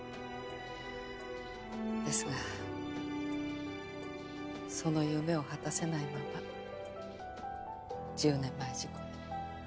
ですがその夢を果たせないまま１０年前事故で。